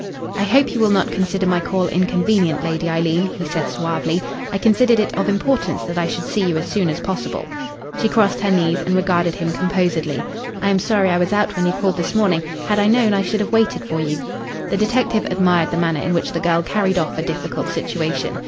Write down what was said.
"I hope you will not consider my call inconvenient, Lady Eileen," he said suavely. "I considered it of importance that I should see you as soon as possible." She crossed her knees and regarded him composedly. "I am sorry I was out when you called this morning. Had I known, I should have waited for you." The detective admired the manner in which the girl carried off a difficult situation.